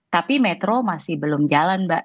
tapi metro masih belum jalan mbak